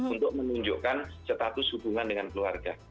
untuk menunjukkan status hubungan dengan keluarga